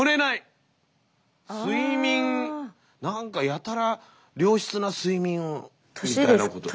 睡眠何かやたら良質な睡眠をみたいなこと。